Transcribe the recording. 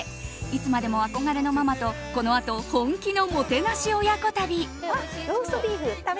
いつまでも憧れのママとこのあと本気のもてなし親子旅。